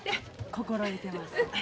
心得てます。